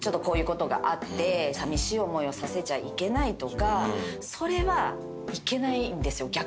こういうことあってさみしい思いをさせちゃいけないとかそれはいけないんですよ